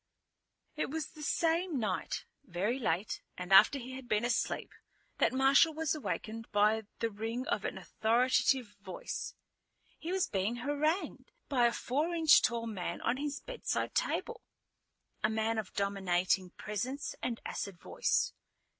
It was the same night, very late and after he had been asleep, that Marshal was awakened by the ring of an authoritative voice. He was being harangued by a four inch tall man on his bedside table, a man of dominating presence and acid voice.